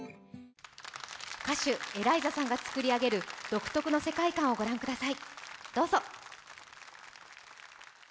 歌手ＥＬＡＩＺＡさんが作り上げる独特な世界観をご覧ください。